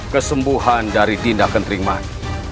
kesembuhan dari dinda kentriman